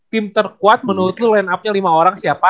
tim terkuat menurut lu line up nya lima orang siapa